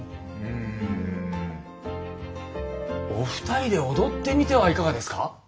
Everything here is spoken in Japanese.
うんお二人で踊ってみてはいかがですか？